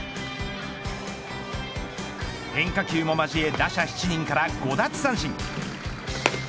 変化球も交え打者７人から５奪三振。